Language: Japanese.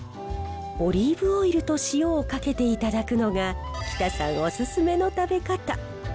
オリーブオイルと塩をかけていただくのが北さんおすすめの食べ方。